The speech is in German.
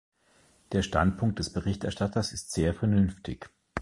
Der Standpunkt des Berichterstatters ist sehr vernünftig.